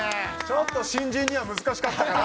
ちょっと新人には難しかったかな？